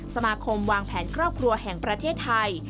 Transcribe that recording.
สมาคมวางแผนครอบครัวแห่งประเทศไทย